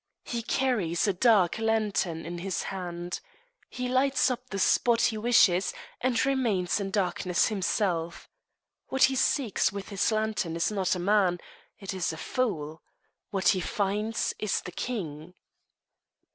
He carries a dark lantern in his hand. He lights up the spot he wishes, and remains in darkness himself. What he seeks with his lantern is not a man, it is a fool. What he finds is the king.